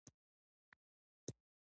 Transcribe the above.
لېونیانو غبرګون ښيي.